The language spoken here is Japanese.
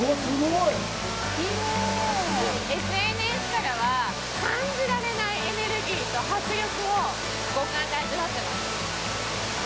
ＳＮＳからは感じられないエネルギーと迫力を五感で味わってます。